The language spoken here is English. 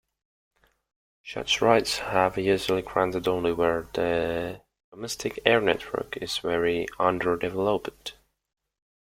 Such rights have usually granted only where the domestic air network is very underdeveloped.